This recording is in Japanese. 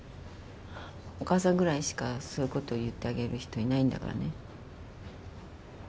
お母さんぐらいしかそういうこと言ってあげる人いないんだからね。